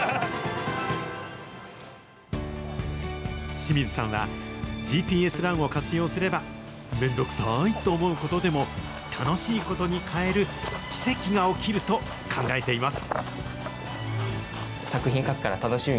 志水さんは、ＧＰＳランを活用すれば、めんどくさいと思うことでも楽しいことに変える奇跡が起きると考えています。